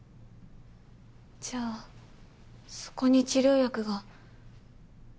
じゃあそこに治療薬が？